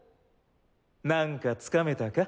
何かつかめたか？